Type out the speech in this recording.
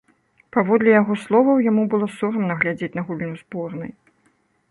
Паводле яго словаў, яму было сорамна глядзець на гульню зборнай.